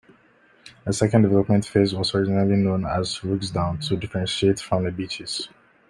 The second development phase was originally known as Rooksdown to differentiate from The Beeches.